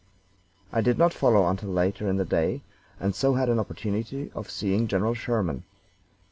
I did not follow until later in the day, and so had an opportunity of seeing General Sherman.